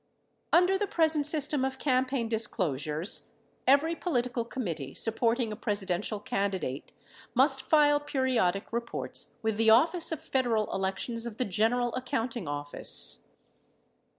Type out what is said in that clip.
Under the present system of campaign disclosures every political committee supporting a Presidential candidate must file periodic re ports with the Office of Federal Elections of the General Accounting Office.